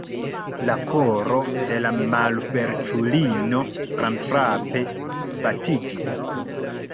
La koro de la malfeliĉulino grandfrape batiĝis.